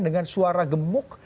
dengan suara gemuk